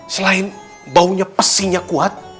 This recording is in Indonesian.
selain baunya pesinya kuat